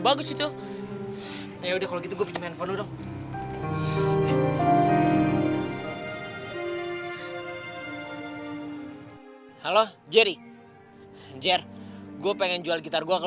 bagus itu ya udah kalau gitu gue pinjamin phone lu dong halo jerry jer gue pengen jual gitar gua ke